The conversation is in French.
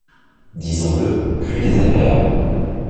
disons-le, plus désagréable.